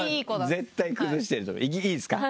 絶対崩してるいいですか？